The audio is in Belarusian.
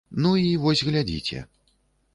Ну і вось паглядзіце.